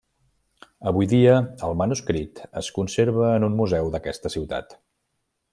Avui dia el manuscrit es conserva en un museu d'aquesta ciutat.